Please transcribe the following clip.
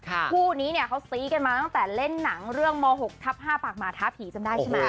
คู่นี้เนี่ยเขาซี้กันมาตั้งแต่เล่นหนังเรื่องม๖ทับ๕ปากหมาท้าผีจำได้ใช่ไหม